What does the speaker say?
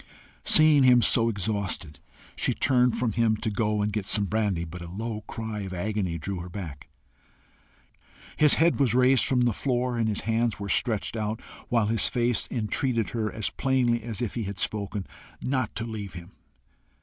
Seeing him so exhausted, she turned from him to go and get some brandy, but a low cry of agony drew her back. His head was raised from the floor and his hands were stretched out, while his face entreated her, as plainly as if he had spoken, not to leave him.